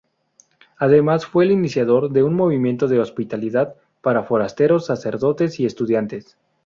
Además fue el iniciador de un movimiento de hospitalidad para forasteros, sacerdotes y estudiantes.